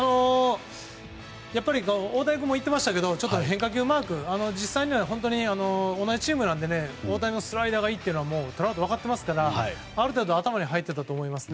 大谷君も言っていましたけど変化球マーク、同じチームなので大谷のスライダーがいいのはトラウトは分かってますからある程度頭に入っていたと思います。